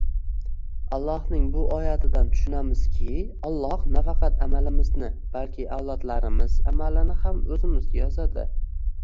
Allohning bu oyatidan tushunamizki, Alloh nafaqat amalimizni, balki avlodlarimiz amalini ham o‘zimizga yozadi